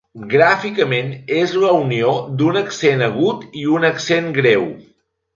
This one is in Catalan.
Gràficament és la unió d'un accent agut i un accent greu.